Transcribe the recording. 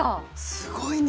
すごいね。